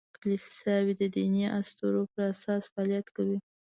کلیساوې د دیني اسطورو پر اساس فعالیت کوي.